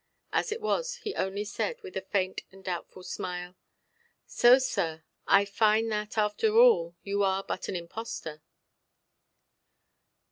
As it was, he only said, with a faint and doubtful smile— "So, sir, I find that, after all, you are but an impostor".